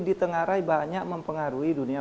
di tengah rai banyak mempengaruhi dunia